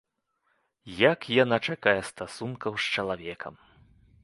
Як яна чакае стасункаў з чалавекам!